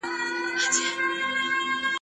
غوایي بار ته سي او خره وکړي ښکرونه ..